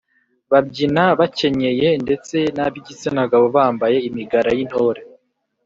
babyina bakenyeye ndetse n’ab’igitsina gabo bambaye imigara y’intore